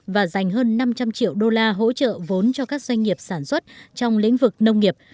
và dành hơn năm trăm linh triệu đô la hỗ trợ vốn cho các doanh nghiệp sản xuất trong lĩnh vực nông nghiệp